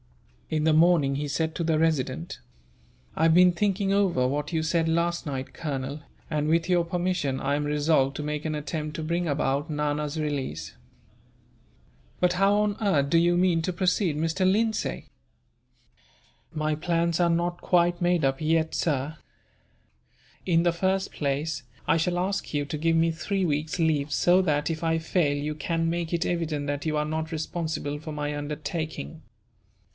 In the morning he said to the Resident: "I have been thinking over what you said last night, Colonel, and with your permission I am resolved to make an attempt to bring about Nana's release." "But how on earth do you mean to proceed, Mr. Lindsay?" "My plans are not quite made up yet, sir. In the first place, I shall ask you to give me three weeks' leave so that, if I fail, you can make it evident that you are not responsible for my undertaking.